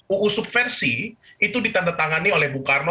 uu subversi itu ditandatangani oleh bung karno